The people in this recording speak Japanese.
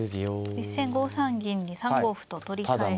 実戦５三銀に３五歩と取り返しまして。